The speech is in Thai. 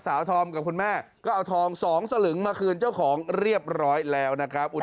ทอมกับคุณแม่ก็เอาทอง๒สลึงมาคืนเจ้าของเรียบร้อยแล้วนะครับ